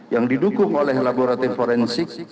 yang didukung oleh laboratorium forensik